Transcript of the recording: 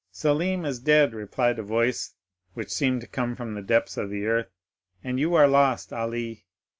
'—'Selim is dead,' replied a voice which seemed to come from the depths of the earth, 'and you are lost, Ali!